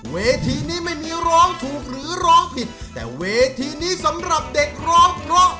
เวทีนี้ไม่มีร้องถูกหรือร้องผิดแต่เวทีนี้สำหรับเด็กร้องเพราะ